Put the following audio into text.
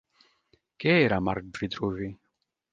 Què era Marc Vitruvi?